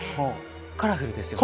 カラフルですよね。